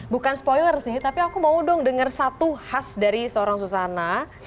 bukan spoiler sih tapi aku mau dong denger satu khas dari seorang susana